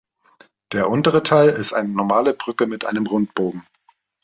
Der untere Teil ist eine normale Brücke mit einem Rundbogen.